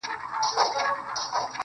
غواړم چي ديدن د ښكلو وكړمـــه,